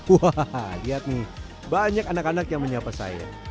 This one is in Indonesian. wahaha lihat nih banyak anak anak yang menyiapkan saya